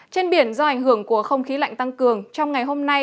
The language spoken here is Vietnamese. trên biển do ảnh hưởng của không khí lạnh tăng cường trong ngày hôm nay